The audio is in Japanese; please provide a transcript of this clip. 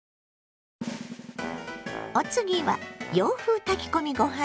お次は洋風炊き込みご飯よ。